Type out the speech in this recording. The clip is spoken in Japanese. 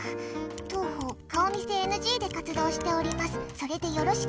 当方、顔見せＮＧで活動しております。